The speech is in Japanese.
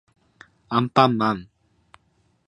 アンパンマン